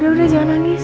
udah udah jangan nangis